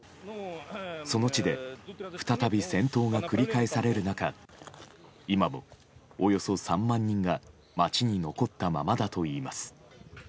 その地で再び戦闘が繰り返される中今もおよそ３万人が街に残ったままだといいます。